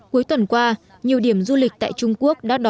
cuối tuần qua nhiều điểm du lịch tại trung quốc đã bị tăng cao